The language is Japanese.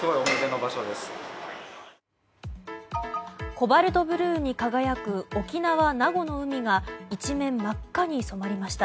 コバルトブルーに輝く沖縄・名護の海が一面、真っ赤に染まりました。